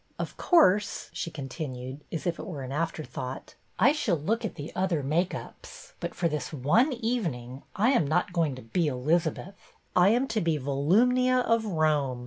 Of course," she continued, as if it were an afterthought, " I shall look at the other make ups; but for this one evening I am not going to be Eliz abeth. I am to be Volumnia of Rome.